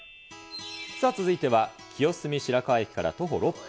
続いては清澄白河駅から徒歩６分。